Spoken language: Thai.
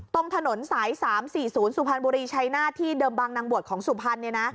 ตรงถนนสาย๓๔๐สุพรรณบุรีชัยหน้าที่เดิมบางนางบวชของสุพรรณ